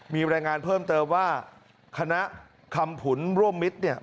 มีรายงานเพิ่มเติมว่าคณะคำผุนร่วมมิตรเนี่ย